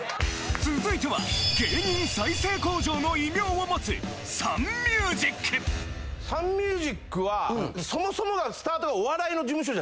続いては芸人再生工場の異名を持つサンミュージックはそもそものスタートが。